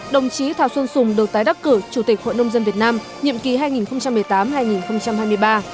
đồng chí thảo xuân sùng được tái đắc cử chủ tịch hội nông dân việt nam nhiệm kỳ hai nghìn một mươi tám hai nghìn hai mươi ba